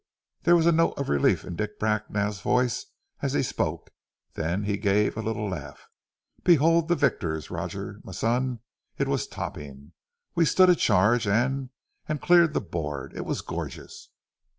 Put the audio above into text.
There was a note of relief in Dick Bracknell's voice, as he spoke, then he gave a little laugh. "Behold the victors! Roger, my son, it was topping. We stood a charge and ... and cleared the board. It was gorgeous."